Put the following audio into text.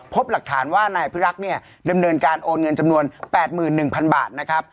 พบหลักฐานว่านายพิรักษ์เนี่ยดำเนินการโอนเงินจำนวน๘๑๐๐๐บาทนะครับ